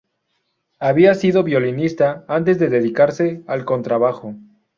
Había sido violinista antes de dedicarse al contrabajo.